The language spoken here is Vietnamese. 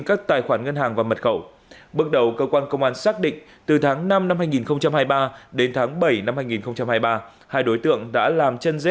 các tài khoản ngân hàng và mật khẩu bước đầu cơ quan công an xác định từ tháng năm năm hai nghìn hai mươi ba đến tháng bảy năm hai nghìn hai mươi ba